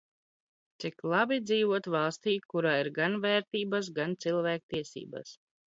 Cik labi dz?vot valst?, kur? ir gan v?rt?bas, gan cilv?kties?bas.